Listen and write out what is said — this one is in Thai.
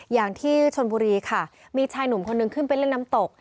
อย่างที่ชนบุรีค่ะมีชายหนุ่มคนนึงขึ้นไปเล่นน้ำตก